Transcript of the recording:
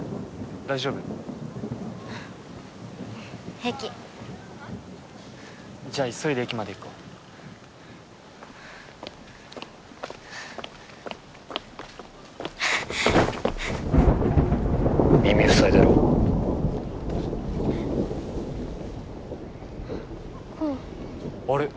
平気じゃあ急いで駅まで行こう耳塞いでろ煌あれ？